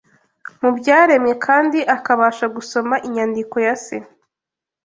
mu byaremwe kandi akabasha gusoma inyandiko ya Se